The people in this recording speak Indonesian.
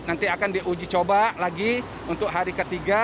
nanti akan diuji coba lagi untuk hari ketiga